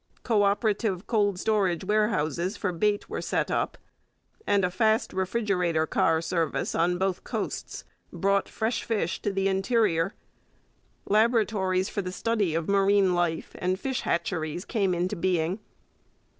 Co operative cold storage warehouses for bait were set up, and a fast refrigerator car service on both coasts brought fish fresh to the interior. Laboratories for the study of marine life and fish hatcheries came into being.